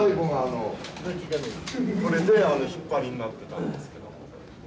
これで引っ張りになってたんですけども。